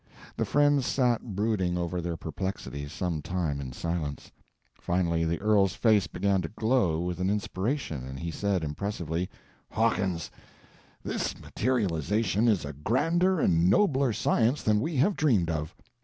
The friends sat brooding over their perplexities some time in silence. Finally the earl's face began to glow with an inspiration, and he said, impressively: "Hawkins, this materialization is a grander and nobler science than we have dreamed of.